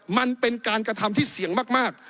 มันเป็นการกระทำที่เสี่ยงมาก